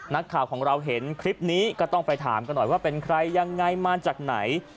นักข่าวของเราเห็นคลิปนี้ก็ต้องไปถามกันหน่อยว่าเป็นใครยังไงมาจากไหน